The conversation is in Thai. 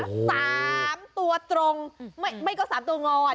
สามตัวตรงไม่ก็สามตัวงอน